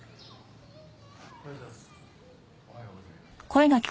おはようございます。